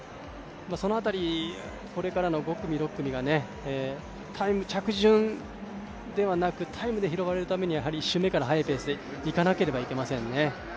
その辺り、これからの５組、６組がタイム、着順ではなく、タイムで拾われるためには１週目から速いペースでいかないといけませんね。